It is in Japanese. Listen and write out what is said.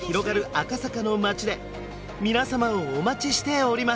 赤坂の街で皆様をお待ちしております